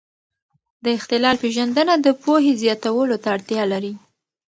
د اختلال پېژندنه د پوهې زیاتولو ته اړتیا لري.